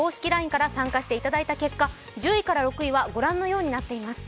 ＬＩＮＥから参加していただいた結果、１０位から６位は御覧のようになっています。